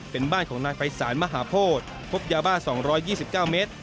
เป็นบ้านของนายภัยศาลมหาโพธิพบยาบ้า๒๒๙เมตร